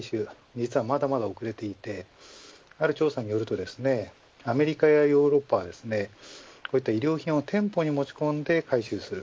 実は、まだまだ遅れていてある調査によるとアメリカやヨーロッパは衣料品を店舗に持ち込んで回収する